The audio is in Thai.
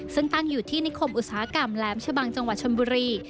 ซึ่งตั้งอยู่ที่นิคมอุตสาหกรรมแหลมชะบังจังหวัดชนบุรี